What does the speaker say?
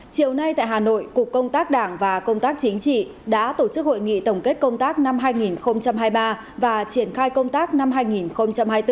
chiều nay tại hà nội cục công tác đảng và công tác chính trị đã tổ chức hội nghị tổng kết công tác năm hai nghìn hai mươi ba và triển khai công tác năm hai nghìn hai mươi bốn